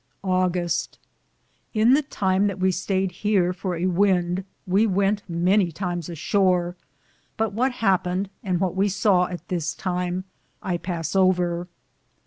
AUGUSTE. In the time that we stayed heare for a wynde, we wente many times a shore, but what hapened, and what we saw at this time, I pass over.